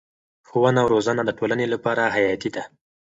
ښوونه او روزنه د ټولنې لپاره حیاتي ده.